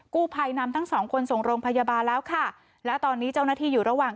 กู้ภัยนำทั้งสองคนส่งโรงพยาบาลแล้วค่ะและตอนนี้เจ้าหน้าที่อยู่ระหว่าง